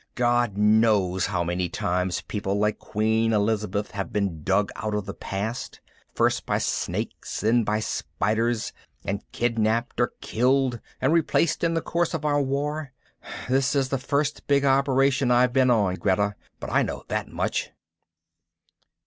God knows how many times people like Queen Elizabeth have been dug out of the past, first by Snakes, then by Spiders, and kidnapped or killed and replaced in the course of our war. This is the first big operation I've been on, Greta. But I know that much."